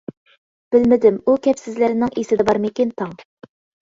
بىلمىدىم ئۇ كەپسىزلەرنىڭ ئېسىدە بارمىكىن تاڭ!